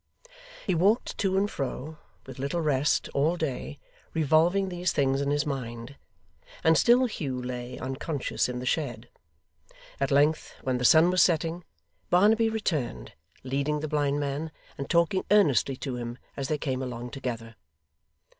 He walked to and fro, with little rest, all day, revolving these things in his mind; and still Hugh lay, unconscious, in the shed. At length, when the sun was setting, Barnaby returned, leading the blind man, and talking earnestly to him as they came along together.